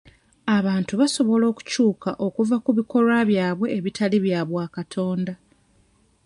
Abantu basobola okukyuka okuva ku bikolwa byabwe ebitali bya bwa katonda.